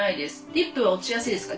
「リップは落ちやすいですか？」。